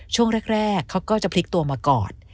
ช่วงแรกเขาก็จะพลิกตัวมากอด